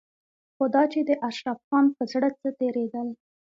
خو دا چې د اشرف خان په زړه کې څه تېرېدل.